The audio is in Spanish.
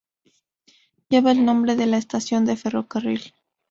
Lleva el nombre de la estación de ferrocarril.